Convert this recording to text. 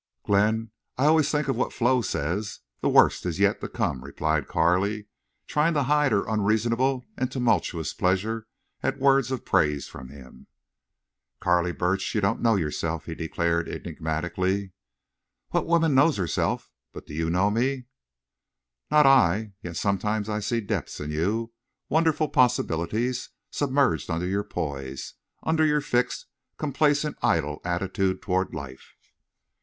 "Glenn, I always think of what Flo says—the worst is yet to come," replied Carley, trying to hide her unreasonable and tumultuous pleasure at words of praise from him. "Carley Burch, you don't know yourself," he declared, enigmatically. "What woman knows herself? But do you know me?" "Not I. Yet sometimes I see depths in you—wonderful possibilities—submerged under your poise—under your fixed, complacent idle attitude toward life."